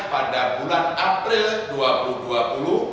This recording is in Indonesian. pada bulan april dua ribu dua puluh